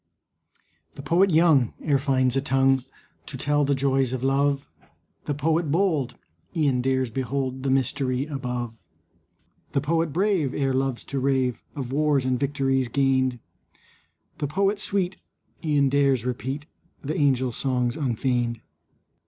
The poet young e'er finds a tongue To tell the joys of love. The poet bold e'en dares behold The mystery above. The poet brave e'er loves to rave Of wars and victories gained. The poet sweet e'en dares repeat The angels' songs unfeigned.